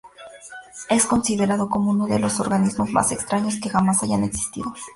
Es considerado como uno de los organismos más extraños que jamás hayan existido.